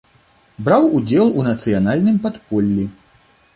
Браў удзел у нацыянальным падполлі.